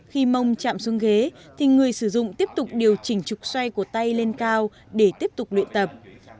khi mông chạm xuống ghế thì người sử dụng tiếp tục điều chỉnh trục xoay của tay lên cao để tiếp tục luyện tập